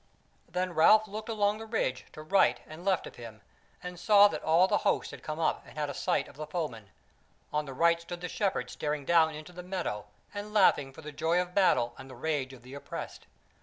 Then Ralph looked along the ridge to right and left of him, and saw that all the host had come up and had a sight of the foemen; on the right stood the Shepherds staring down into the meadow and laughing for the joy of battle and the rage of the oppressed.